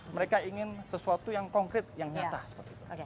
mereka ingin sesuatu yang konkret yang nyata seperti itu